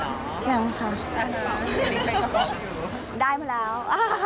สิ่งเป็นก็พออยู่ได้มาแล้ว